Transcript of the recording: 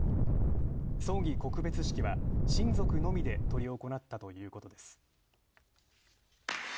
葬儀、告別式は親族のみで執り行ったということです。